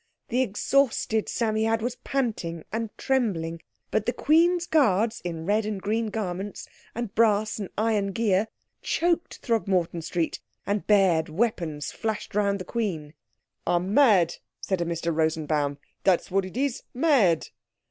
The exhausted Psammead was panting and trembling, but the Queen's guards in red and green garments, and brass and iron gear, choked Throgmorton Street, and bared weapons flashed round the Queen. "I'm mad," said a Mr Rosenbaum; "dat's what it is—mad!"